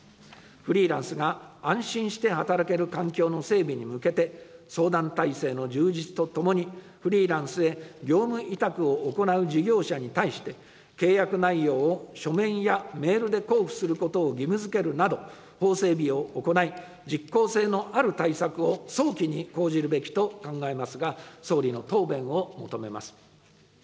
フリーランスが安心して働ける環境の整備に向けて、相談体制の充実とともに、フリーランスへ業務委託を行う事業者に対して、契約内容を書面やメールで交付することを義務づけるなど、法整備を行い、実効性のある対策を早期に講じるべきと考えますが、総理の答弁を求めます。